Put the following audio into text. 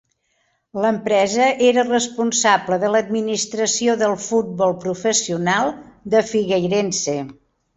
L'empresa era responsable de l'administració del futbol professional de Figueirense.